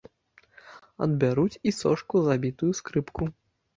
Адбяруць і сошку за бітую скрыпку.